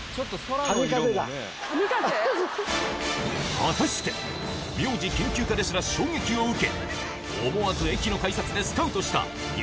果たして名字研究家ですら衝撃を受け思わず駅の改札でスカウトした激